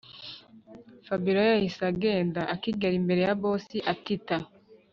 fabiora yahise agenda akigera imbere ya boss atita